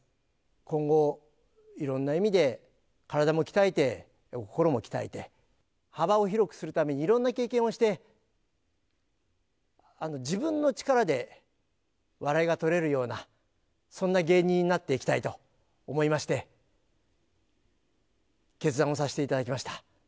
今後、いろんな意味で、体も鍛えて、心も鍛えて、幅を広くするため、いろんな経験をして、自分の力で笑いが取れるような、そんな芸人になっていきたいと思いまして、決断をさせていただきました。